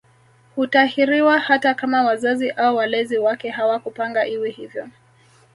Hutahiriwa hata kama wazazi au walezi wake hawakupanga iwe hivyo